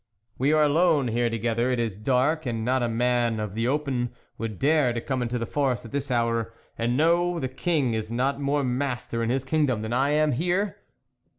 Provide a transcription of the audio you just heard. " We are alone here together ; it is dark, and not a man of the open would dare to come into the forest at this hour ; and know, the King is not more master in his kingdom than I am here